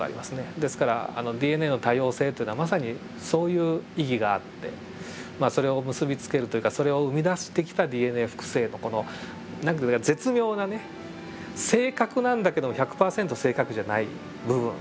ですからＤＮＡの多様性っていうのはまさにそういう意義があってまあそれを結び付けるというかそれを生み出してきたＤＮＡ複製の何か絶妙なね正確なんだけど１００％正確じゃない部分。